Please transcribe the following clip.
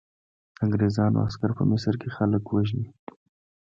انګریزانو عسکر په مصر کې خلک وژني.